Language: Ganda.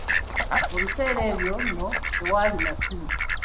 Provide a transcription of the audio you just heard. Mu biseera ebyo nno, tewaali masimu.